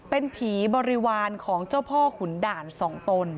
เป็นผีบริวารของเจ้าพ่อขุนด่าน๒ตน